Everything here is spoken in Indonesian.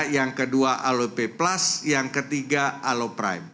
yang kedua alo pay plus yang ketiga alo prime